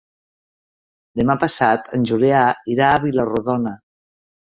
Demà passat en Julià irà a Vila-rodona.